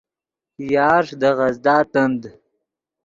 یارݰ دے غزدا تند